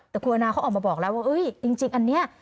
แต่คุณแอนนาเขาออกมาบอกแล้วว่าจริงอันนี้